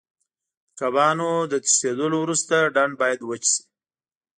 د کبانو د تښتېدلو وروسته ډنډ باید وچ شي.